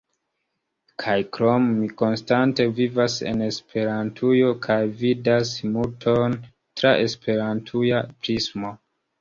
Kaj krome, mi konstante vivas en Esperantujo kaj vidas multon tra la esperantuja prismo.